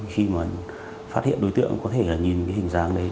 khi mà phát hiện đối tượng có thể nhìn cái hình dáng đấy